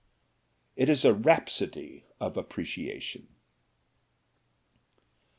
It is a rhapsody of appreciation.